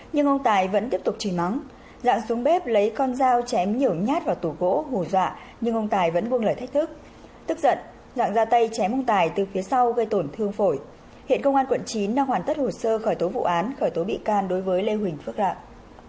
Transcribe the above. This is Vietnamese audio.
nhưng ông tài vẫn tiếp tục trì mắng dạng xuống bếp lấy con dao chém nhiều nhát vào tổ gỗ hù dọa nhưng ông tài vẫn buông lời thách thức tức giận dặn ra tay chém ông tài từ phía sau gây tổn thương phổi hiện công an quận chín đang hoàn tất hồ sơ khởi tố vụ án khởi tố bị can đối với lê huỳnh phước rạng